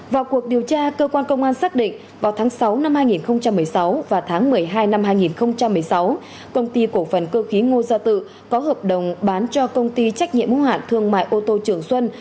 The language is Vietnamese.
vào cuộc điều tra cơ quan công an xác định vào tháng sáu năm hai nghìn một mươi sáu và tháng một mươi hai năm hai nghìn một mươi sáu công ty cổ phần cơ khí ngô gia tự có hợp đồng bán cho công ty trách nhiệm hữu hạn thương mại ô tô trường xuân